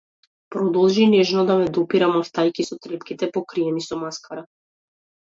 Продолжи нежно да ме допира, мавтајќи со трепките покриени со маскара.